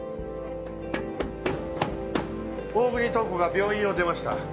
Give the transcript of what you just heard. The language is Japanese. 大國塔子が病院を出ました。